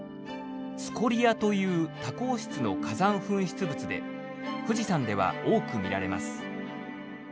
「スコリア」という多孔質の火山噴出物で富士山では多く見られます。